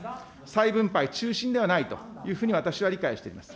再分配中心ではないというふうに私は理解しています。